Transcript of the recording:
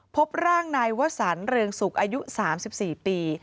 พบร่างนายวสันเรืองสุกอายุ๓๔ปี